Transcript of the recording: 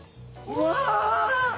うわ。